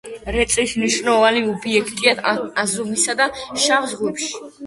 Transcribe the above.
რეწვის მნიშვნელოვანი ობიექტია აზოვისა და შავ ზღვებში.